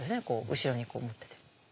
後ろにこう持ってて。